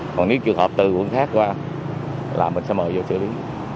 còn những trường hợp từ quận khác qua là mình sẽ mời vô xử lý